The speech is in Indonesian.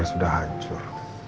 rena sudah hancur